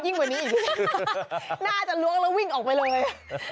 กว่านี้อีกน่าจะล้วงแล้ววิ่งออกไปเลย